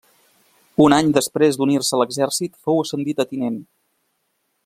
Un any després d'unir-se a l'exèrcit fou ascendit a tinent.